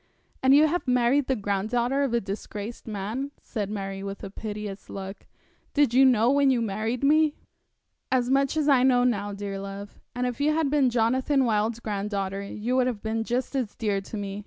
'And you have married the granddaughter of a disgraced man,' said Mary, with a piteous look. 'Did you know when you married me?' 'As much as I know now, dear love. If you had been Jonathan Wild's granddaughter you would have been just as dear to me.